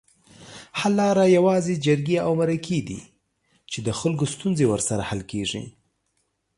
حل لاره یوازې جرګې اومرکي دي چي دخلګوستونزې ورسره حل کیږي